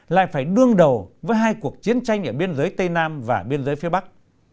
lại phải đương đầu với hai cuộc chiến tranh ở biên giới tây nam và biên giới phía bắc